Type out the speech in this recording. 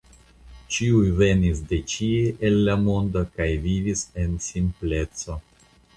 Ĉiuj venis de ĉie el la mondo kaj vivis en simpleco.